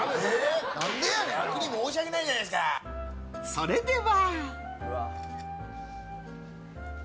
それでは。